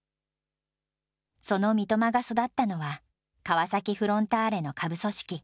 その三笘が育ったのは、川崎フロンターレの下部組織。